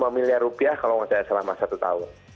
dua miliar rupiah kalau tidak salah selama satu tahun